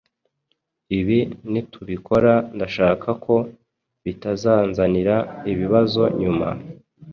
ibi nitubikora ndashaka ko bitazanzanira ibibazo nyuma